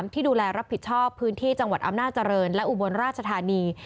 ที่ดูแลรับผิดชอบพื้นที่จังหวัดอำนาจริงและอุบลราชธานี